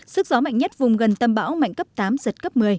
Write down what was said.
sức gió mạnh nhất vùng gần tâm bão mạnh cấp tám giật cấp một mươi